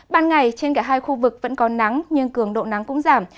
ban ngày trên cả hai khu vực vẫn có nắng nhưng cường độ nắng cũng giảm